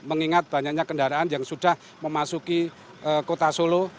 mengingat banyaknya kendaraan yang sudah memasuki kota solo